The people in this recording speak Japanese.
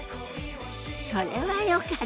それはよかった。